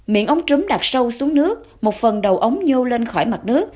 miệng ống trứng đặt sâu xuống nước một phần đầu ống nhô lên khỏi mặt nước